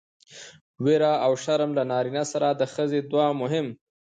ويره او شرم له نارينه سره د ښځې دوه مهم